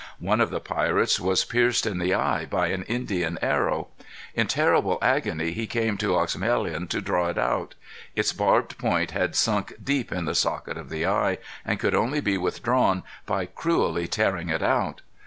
One of the pirates was pierced in the eye by an Indian arrow. In terrible agony he came to Oexemelin to draw it out. Its barbed point had sunk deep in the socket of the eye, and could only be withdrawn by cruelly tearing it out.